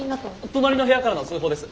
隣の部屋からの通報です。